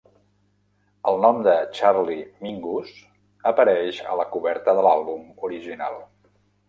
El nom "Charlie Mingus" apareix a la coberta de l'àlbum original.